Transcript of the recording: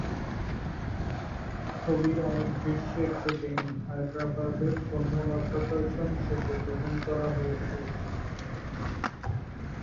ছবির অনেক দৃশ্যের শুটিং হায়দ্রাবাদ এর শূন্য-মাধ্যাকর্ষণ সেটে গ্রহণ করা হয়েছিল।